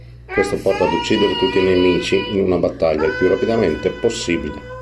Questo porta ad uccidere tutti i nemici in una battaglia il più rapidamente possibile.